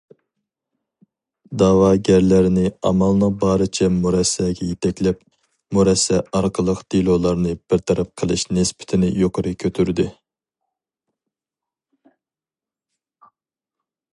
دەۋاگەرلەرنى ئامالنىڭ بارىچە مۇرەسسەگە يېتەكلەپ، مۇرەسسە ئارقىلىق دېلولارنى بىر تەرەپ قىلىش نىسبىتىنى يۇقىرى كۆتۈردى.